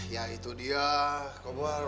ya itu dia kobar